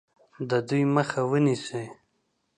د دوی مخه ونیسي.